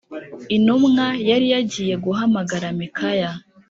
Intumwa yari yagiye guhamagara Mikaya.